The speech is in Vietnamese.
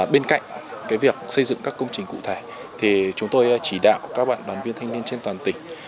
bên cạnh việc xây dựng các công trình cụ thể thì chúng tôi chỉ đạo các bạn đoàn viên thanh niên trên toàn tỉnh